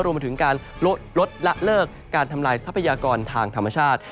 รวมถึงการลดละเลิกการทำลายทรัพยากรทางธรรมชาติ